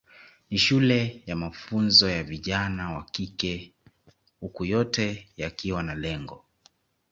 Ni shule ya mafunzo ya vijana wa kike huku yote yakiwa na lengo